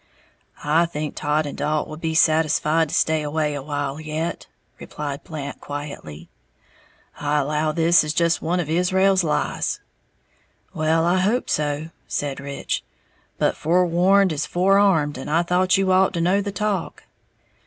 "I think Todd and Dalt will be satisfied to stay away a while yet," replied Blant, quietly; "I allow this is just one of Israel's lies." "Well, I hope so," said Rich; "but forewarned is forearmed, and I thought you ought to know the talk."